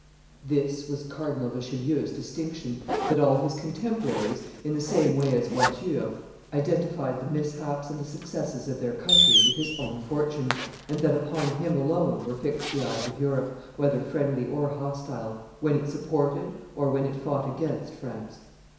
This was Cardinal Richelieu's distinction, that all his contemporaries, in the same way as Voiture, identified the mishaps and the successes of their country with his own fortunes, and that upon him alone were fixed the eyes of Europe, whether friendly or hostile, when it supported or when it fought against France.